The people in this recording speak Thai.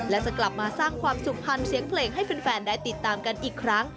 และจะกลับมาสร้างความสุขพันธ์เสียงเพลงให้แฟนได้ติดตามกันอีกครั้ง